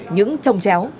những trông chéo